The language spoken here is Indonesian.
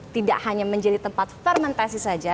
tidak hanya menjadi tempat fermentasi saja